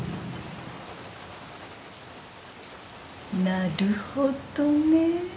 なるほどね。